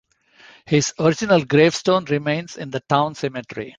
His original gravestone remains in the town cemetery.